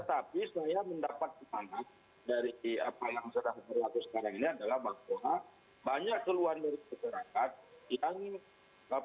tetapi saya mendapat kesana dari apa yang misalnya terlaku sekarang ini adalah bahwa banyak keluhan dari masyarakat